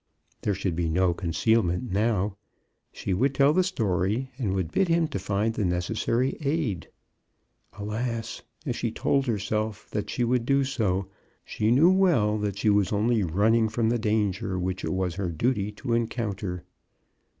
There should be no concealment now. She would tell the story and would bid him to find the necessary aid. Alas ! as she told her self that she would do so, she knew well that she was only running from the danger which it was her duty to encounter.